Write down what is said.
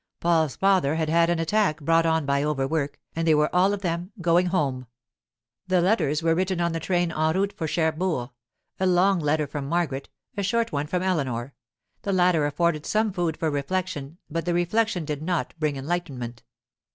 Paul's father had had an 'attack' brought on by overwork, and they were all of them going home. The letters were written on the train en route for Cherbourg; a long letter from Margaret, a short one from Eleanor. The latter afforded some food for reflection, but the reflection did not bring enlightenment.